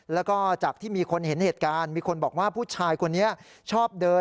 แล้วก็จากที่มีคนเห็นเหตุการณ์มีคนบอกว่าผู้ชายคนนี้ชอบเดิน